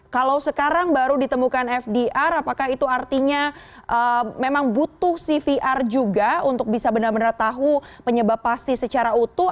kalau sekarang baru ditemukan fdr apakah itu artinya memang butuh cvr juga untuk bisa benar benar tahu penyebab pasti secara utuh